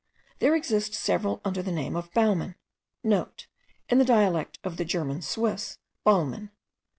There exist several under the name of baumen,* (* In the dialect of the German Swiss, Balmen.